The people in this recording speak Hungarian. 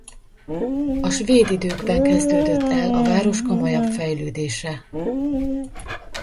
A svéd időkben kezdődött el a város komolyabb fejlődése.